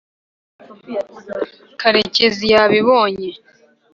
karekezi yabibonye